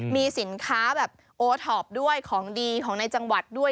มีสินค้าแบบโอท็อปด้วยของดีของในจังหวัดด้วย